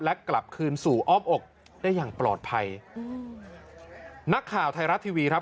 และกลับคืนสู่อ้อมอกได้อย่างปลอดภัยอืมนักข่าวไทยรัฐทีวีครับ